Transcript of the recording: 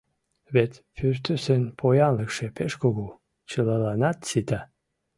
Вет пӱртӱсын поянлыкше пеш кугу, чылаланат сита.